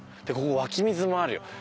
ここ湧き水もあるよ。